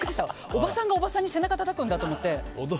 おばさんが、おばさんに背中たたくんだと思って。